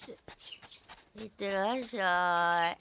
行ってらっしゃい。